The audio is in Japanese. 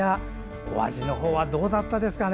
お味のほうはどうだったですかね。